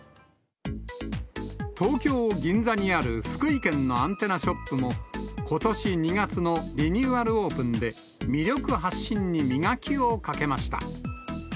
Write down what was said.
東京・銀座にある福井県のアンテナショップも、ことし２月のリニューアルオープンで、魅力発信に磨きをかけました。